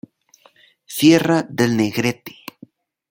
Sierra del Negrete